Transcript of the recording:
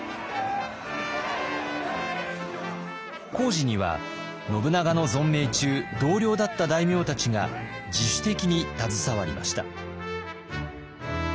工事には信長の存命中同僚だった大名たちが自主的に携わりました。